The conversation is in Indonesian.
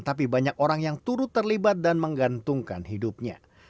tapi banyak orang yang turut terlibat dan menggantungkan hidupnya